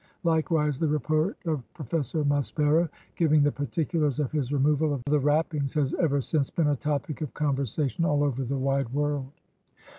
Likewise, the report of Pro fessor Maspero, giving the particulars of his removal of the wrappings, has ever since been a topic of conversa tion all over the wide world.